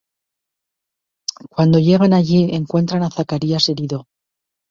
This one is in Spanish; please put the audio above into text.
Cuando llegan allí, encuentran a Zacarías herido.